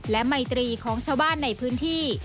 และไมตรีของชาวบ้านในพื้นที่